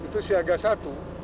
itu siaga satu